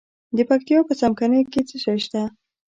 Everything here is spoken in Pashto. د پکتیا په څمکنیو کې څه شی شته؟